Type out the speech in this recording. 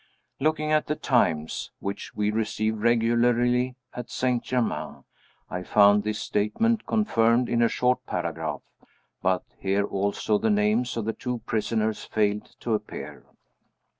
Looking at the Times (which we receive regularly at St. Germain), I found this statement confirmed in a short paragraph but here also the names of the two prisoners failed to appear.